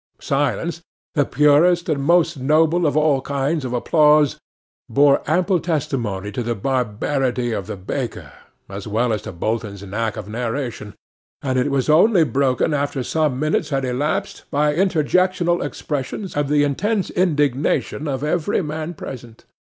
Silence, the purest and most noble of all kinds of applause, bore ample testimony to the barbarity of the baker, as well as to Bolton's knack of narration; and it was only broken after some minutes had elapsed by interjectional expressions of the intense indignation of every man present.